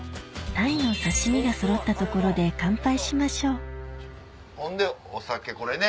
鯛の刺身がそろったところで乾杯しましょうほんでお酒これね。